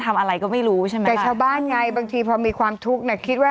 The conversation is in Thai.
แต่ชาวบ้านไงบางทีพอมีความทุกข์นักคิดว่า